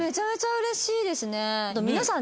うれしいですね。